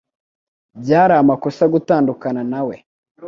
Byari amakosa gutandukana nawe.